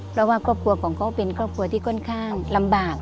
เพราะว่าครอบครัวของเขาเป็นครอบครัวที่ค่อนข้างลำบาก